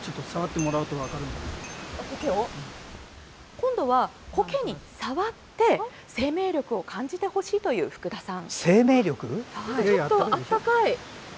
今度は、コケに触って生命力を感じてほしいという福田さん。